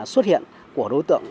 xuất hiện của đối tượng